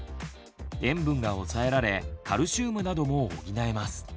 塩分がおさえられカルシウムなども補えます。